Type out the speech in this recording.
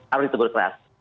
harus ditegur keras